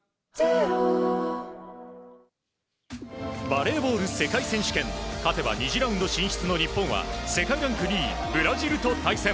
バレーボール世界選手権勝てば２次ラウンド進出の日本は世界ランク２位ブラジルと対戦。